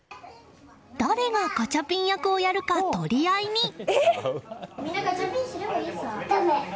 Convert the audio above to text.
誰がガチャピン役をやるか取り合いに。